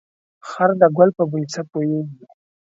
خر ده ګل په بوی څه پوهيږي.